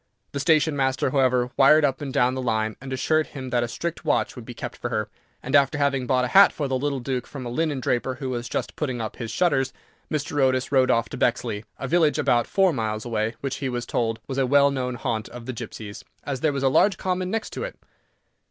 The station master, however, wired up and down the line, and assured him that a strict watch would be kept for her, and, after having bought a hat for the little Duke from a linen draper, who was just putting up his shutters, Mr. Otis rode off to Bexley, a village about four miles away, which he was told was a well known haunt of the gipsies, as there was a large common next to it.